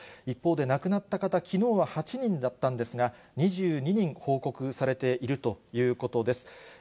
一方で亡くなった方、きのうは８人だったんですが、２２人、報告されているということです。